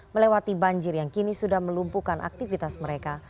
melewati banjir yang kini sudah melumpuhkan aktivitas mereka